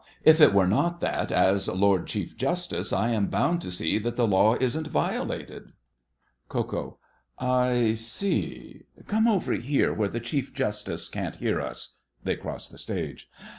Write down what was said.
If it were not that, as Lord Chief Justice, I am bound to see that the law isn't violated. KO. I see. Come over here where the Chief Justice can't hear us. (They cross the stage.)